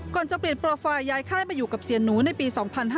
ก่อนจะเปลี่ยนโปรไฟล์ย้ายค่ายมาอยู่กับเสียหนูในปี๒๕๕๙